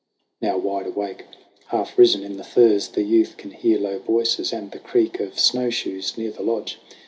Now wide awake, half risen in the furs, The youth can hear low voices and the creak Of snowshoes near the lodge.